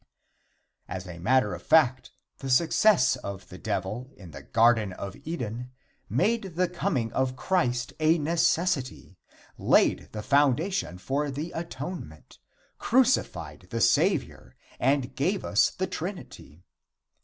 As a matter of fact, the success of the Devil in the Garden of Eden made the coming of Christ a necessity, laid the foundation for the atonement, crucified the Savior and gave us the Trinity.